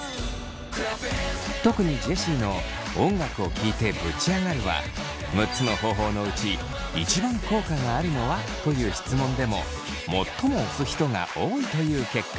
特にジェシーの「音楽を聴いてぶち上がる」は６つの方法のうち一番効果があるのは？という質問でも最も推す人が多いという結果に。